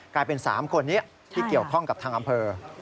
กลายเป็น๓คนนี้ที่เกี่ยวข้องกับทางอำเภอ